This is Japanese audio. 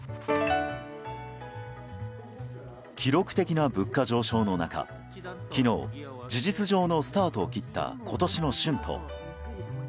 記録的な物価上昇の中昨日、事実上のスタートを切った今年の春闘。